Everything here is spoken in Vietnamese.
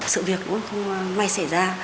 sự việc không may xảy ra